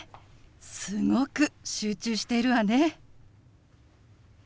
すごく集中しているわね。